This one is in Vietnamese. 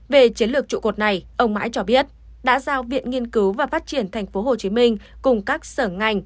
về chiến lược trụ cột này ông mãi cho biết đã giao viện nghiên cứu và phát triển tp hcm cùng các sở ngành